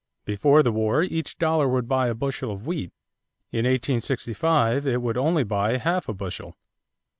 Before the war each dollar would buy a bushel of wheat; in 1865 it would only buy half a bushel.